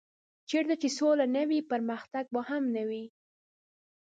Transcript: چېرته چې سوله نه وي پرمختګ به هم نه وي.